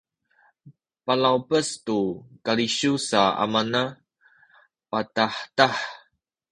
palawpes tu kalisiw sa amana patahtah